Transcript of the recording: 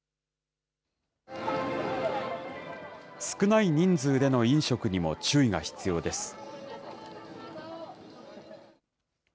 少ない人数での飲食にも注意が必要です。